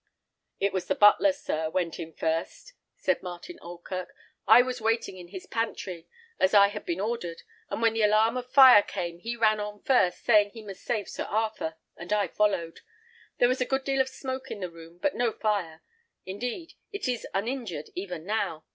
"It was the butler, sir, went in first," said Martin Oldkirk. "I was waiting in his pantry, as I had been ordered; and when the alarm of fire came he ran on first, saying he must save Sir Arthur, and I followed. There was a good deal of smoke in the room, but no fire; indeed, it is uninjured even now.